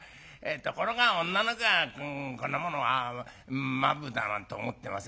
ところが女の子はこんものは間夫だなんて思ってませんでね